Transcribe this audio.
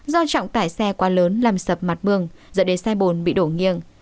do trọng tải xe quá lớn làm sập mặt đường dẫn đến xe bồn bị đổ nghiêng